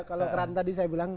kalau keran tadi saya bilang